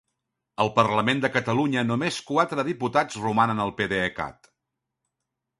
Al Parlament de Catalunya només quatre diputats romanen al PDECat.